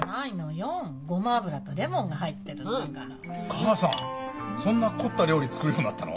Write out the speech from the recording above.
母さんそんな凝った料理作るようになったの？